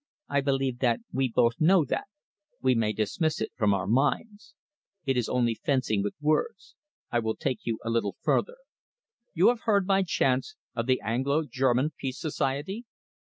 I believe that we both know that. We may dismiss it from our minds. It is only fencing with words. I will take you a little further. You have heard, by chance, of the Anglo German Peace Society?"